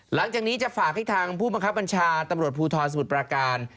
หลังจากนี้จะฝากให้ทางผู้บังคับบัญชาตำรวจภูทรสมุทรปราการ